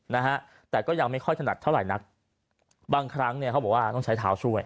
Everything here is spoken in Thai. นะฮะแต่ก็ยังไม่ค่อยถนัดเท่าไหร่นักบางครั้งเนี่ยเขาบอกว่าต้องใช้เท้าช่วย